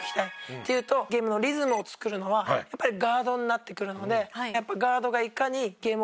っていうとゲームのリズムを作るのはやっぱりガードになってくるので。